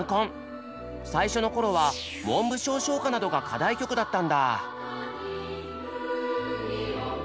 最初の頃は文部省唱歌などが課題曲だったんだ。